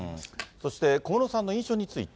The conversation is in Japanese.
そして小室さんの印象について。